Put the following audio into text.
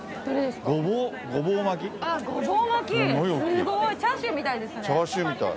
ごぼう巻きすごいチャーシューみたいですね。